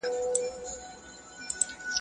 کارخانې پکښی بنا د علم و فن شي.